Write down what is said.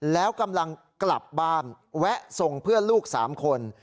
แล้วกำลังกลับบ้านแวะส่งเพื่อนลูก๓คน